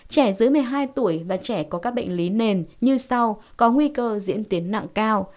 trẻ dưới một mươi hai tuổi và trẻ có các bệnh lý nền như sau có nguy cơ diễn tiến nặng cao